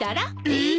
えっ！